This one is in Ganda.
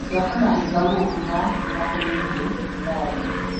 Yafuna ebbaluwa okuva mu bakodomi be e Bulaaya.